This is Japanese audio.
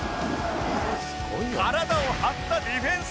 体を張ったディフェンス